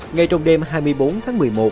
ngay trong đêm hai mươi bốn tháng một mươi một